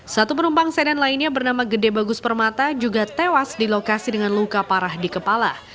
satu penumpang sedan lainnya bernama gede bagus permata juga tewas di lokasi dengan luka parah di kepala